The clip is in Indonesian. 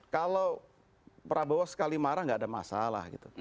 kalau prabowo sekali marah nggak ada masalah gitu